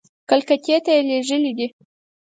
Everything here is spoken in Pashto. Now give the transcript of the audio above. کلکتې ته یې لېږلي دي.